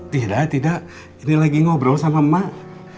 tidak tidak ini lagi ngobrol sama emak